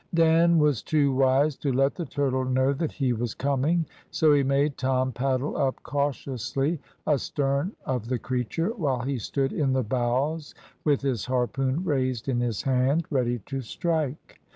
"Dan was too wise to let the turtle know that he was coming, so he made Tom paddle up cautiously astern of the creature, while he stood in the bows with his harpoon raised in his hand, ready to strike.